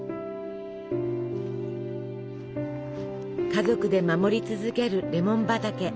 家族で守り続けるレモン畑。